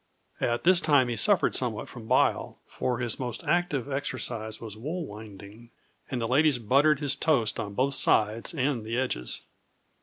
At this time he suffered somewhat from bile, for his most active exercise was wool winding, and the ladies buttered his toast on both sides and the edges.